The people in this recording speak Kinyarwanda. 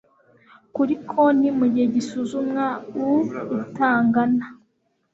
kuri konti mu gihe gisuzumwa uitangana